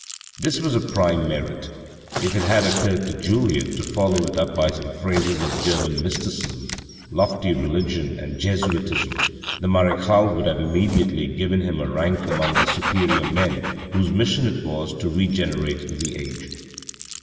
This was a prime merit. If it had occurred to Julien to follow it up by some phrases of German mysticism, lofty religion, and Jesuitism, the marechale would have immediately given him a rank among the superior men whose mission it was to regenerate the age.